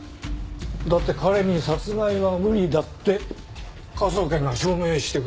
だって彼に殺害は無理だって科捜研が証明してくれたんだから。